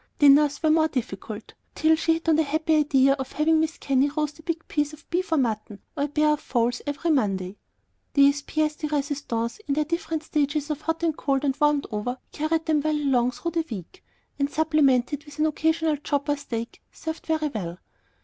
Dinners were more difficult, till she hit on the happy idea of having Mrs. Kenny roast a big piece of beef or mutton, or a pair of fowls every Monday. These pièces de résistance in their different stages of hot, cold, and warmed over, carried them well along through the week, and, supplemented with an occasional chop or steak, served very well.